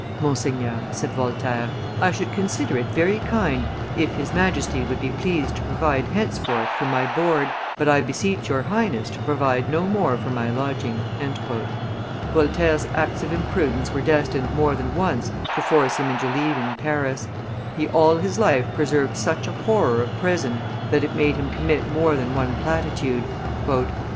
"Monseigneur," said Voltaire, "I should consider it very kind if his Majesty would be pleased to provide henceforth for my board, but I beseech your Highness to provide no more for my lodging." Voltaire's acts of imprudence were destined more than once to force him into leaving Paris; he all his life preserved such a horror of prison, that it made him commit more than one platitude.